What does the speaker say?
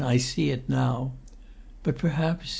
I see it now. But perhaps ...